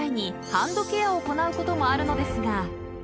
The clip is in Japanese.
ハンドケアを行うこともあるのですが］